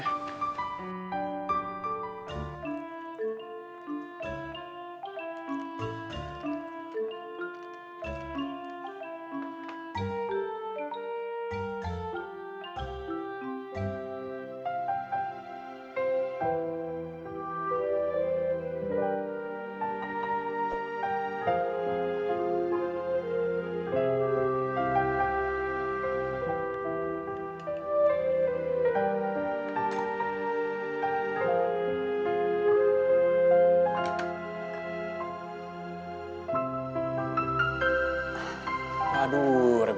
jangan khawatir siaku